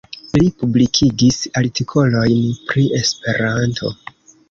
Li publikigis artikolojn pri Esperanto.